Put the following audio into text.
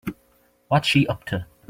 What's she up to?